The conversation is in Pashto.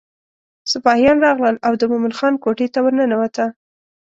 سپاهیان راغلل او د مومن خان کوټې ته ورننوته.